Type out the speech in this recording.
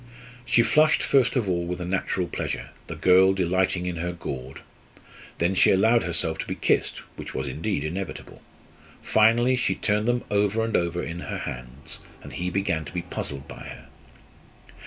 She flushed first of all with a natural pleasure, the girl delighting in her gaud. Then she allowed herself to be kissed, which was, indeed, inevitable. Finally she turned them over and over in her hands; and he began to be puzzled by her.